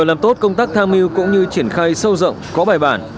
làm tốt công tác tham mưu cũng như triển khai sâu rộng có bài bản